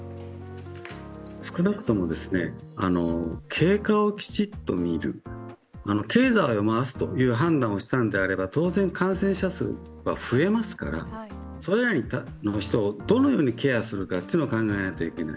少なくとも経過をきちっとみる、経済を回すという判断をしたのであれば、当然、感染者数は増えますからそれらの人をどのようにケアするかということを考えないといけない。